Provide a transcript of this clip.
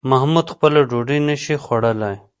محمود خپله ډوډۍ نشي خوړلی